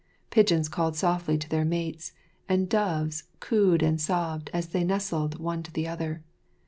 Pigeons called softly to their mates, and doves cooed and sobbed as they nestled one to the other.